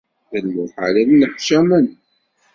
D lmuḥal ad nneḥcamen.